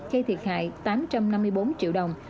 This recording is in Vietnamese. gây thiệt hại tám trăm năm mươi bốn triệu đồng